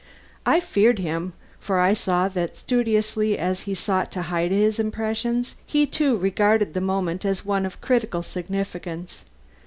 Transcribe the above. I feared him, for I saw that studiously as he sought to hide his impressions, he too regarded the moment as one of critical significance.